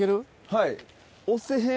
はい。